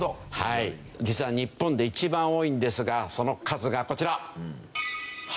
実は日本で一番多いんですがその数がこちら。